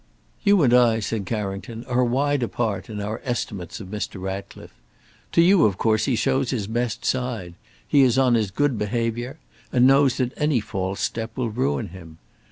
"You and I," said Carrington, "are wide apart in our estimates of Mr. Ratcliffe. To you, of course, he shows his best side. He is on his good behaviour, and knows that any false step will ruin him.